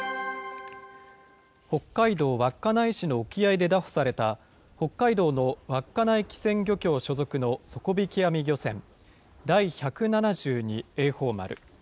北海道稚内市の沖合でだ捕された北海道の稚内機船漁協所属の底引き網漁船、第百七十二榮寳丸。